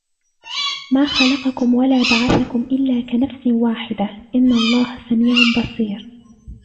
ما خلقكم ولا بعثكم إلا كنفس واحدة إن الله سميع بصير